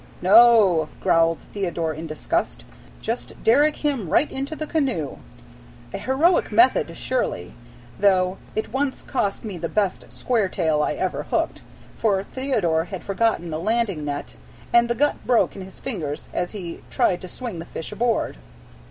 " no!" growled Theodore in disgust. "Just derrick him right into the canoe!" A heroic method, surely; though it once cost me the best square tail I ever hooked, for Theodore had forgotten the landing net, and the gut broke in his fingers as he tried to swing the fish aboard.